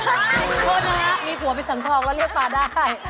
โทษนะครับมีผัวไปสั่งทองก็เรียกปลาได้